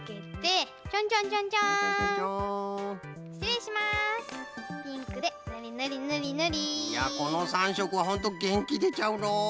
いやこの３しょくはホントげんきでちゃうのう。